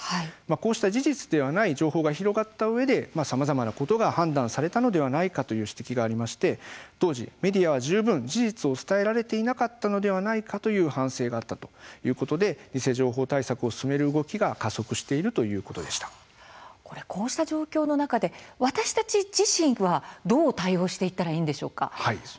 こうした事実ではない情報が広がったうえでさまざまなことが判断されたのではないかという指摘がありまして当時メディアは十分、事実を伝えられていなかったのではないかという反省があったということで偽情報対策を進める動きがこうした状況の中で私たち自身はどう対応したらいいでしょうか。